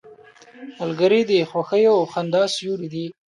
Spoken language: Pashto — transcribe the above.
ملګری د خوښیو او خندا سیوری دی